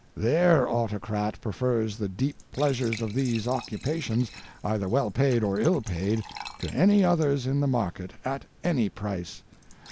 Their autocrat prefers the deep pleasures of these occupations, either well paid or ill paid, to any others in the market, at any price.